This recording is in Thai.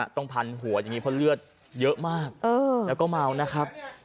ต้องพันหัวอย่างนี้เพราะเลือดเยอะมากแล้วก็เมานะครับ